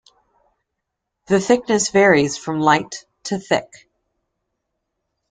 The thickness varies from light to thick.